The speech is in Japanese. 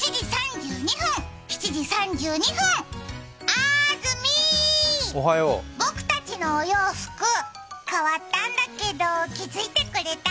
あーずみー、僕たちのお洋服、変わったんだけど気づいてくれた？